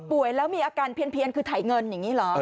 แล้วมีอาการเพี้ยนคือถ่ายเงินอย่างนี้เหรอ